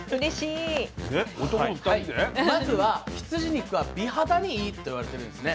まずは羊肉は「美肌にイイ！！」っていわれてるんですね。